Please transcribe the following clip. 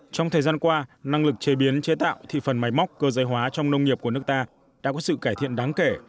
trong thời gian qua năng lực chế biến chế tạo thị phần máy móc cơ giới hóa trong nông nghiệp của nước ta đã có sự cải thiện đáng kể